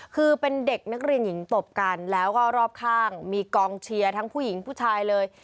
คือเป็นเด็กนักเรียนหญิงตบกันแล้วก็รอบข้างมีกองเชียร์ทั้งผู้หญิงผู้ชายเลย